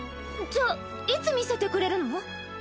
じゃあいつ見せてくれるの？